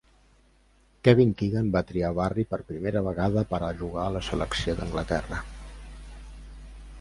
Kevin Keegan va triar a Barry per primera vegada per a jugar en la selecció d'Anglaterra.